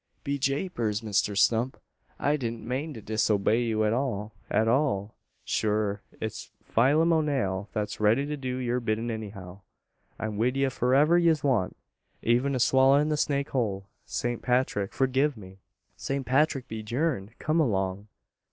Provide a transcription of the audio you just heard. "Be japers, Misther Stump, I didn't mane to disobey you at all at all. Shure it's Phaylim O'Nale that's reddy to do your biddin' anyhow. I'm wid ye for fwhativer yez want; aven to swallowin the snake whole. Saint Pathrick forgive me!" "Saint Patrick be durned! Kum along!"